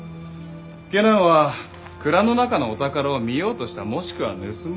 下男は蔵の中のお宝を見ようとしたもしくは盗もうと。